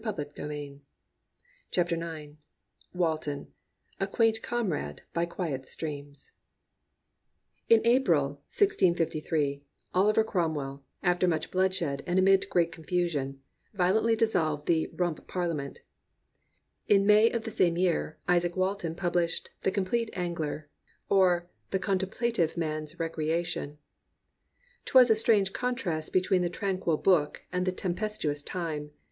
287 A QUAINT COMRADE BY QUIET STREAMS A QUAINT COMRADE BY QUIET STREAMS In April, 1653, Oliver Cromwell, after much blood shed and amid great confusion, violently dissolved the "Rump Parliament." In May of the same year, Izaak Walton pubUshed The Compleat Angler, or the Contemplative Mans Recreation. 'Twas a strange contrast between the tranquil book and the tempestuous time.